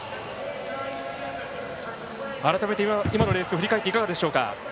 改めて、今のレース振り返ってどうでしょうか？